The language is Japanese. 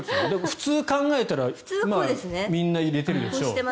普通に考えたらみんな入れているでしょう。